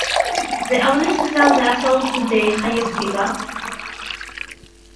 They're willing to sell their souls to the highest bidder.